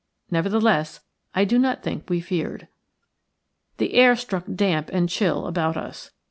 Nevertheless, I do not think we feared. The air struck damp and chill about us.